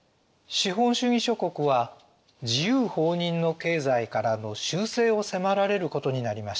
資本主義諸国は自由放任の経済からの修正を迫られることになりました。